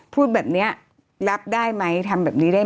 พูดแบบนี้รับได้ไหมทำแบบนี้ได้ไหม